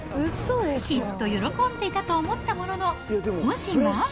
きっと喜んでいたと思ったものの本心は。